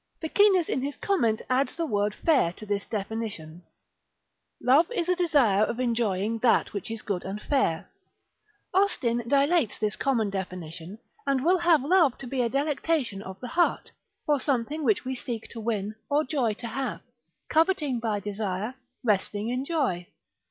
Ficinus in his comment adds the word fair to this definition. Love is a desire of enjoying that which is good and fair. Austin dilates this common definition, and will have love to be a delectation of the heart, for something which we seek to win, or joy to have, coveting by desire, resting in joy.